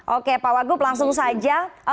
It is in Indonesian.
oke pak wagub langsung saja